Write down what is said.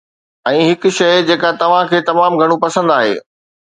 ۽ هڪ شيء جيڪا توهان کي تمام گهڻو پسند آهي